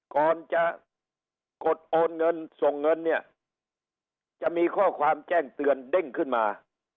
ก่อนจะกดโอนเงินส่งเงินเนี่ยจะมีข้อความแจ้งเตือนเด้งขึ้นมา